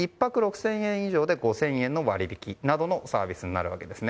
１泊６０００円以上で５０００円の割引などのサービスになるわけです。